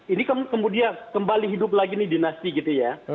ini kemudian kembali hidup lagi nih dinasti gitu ya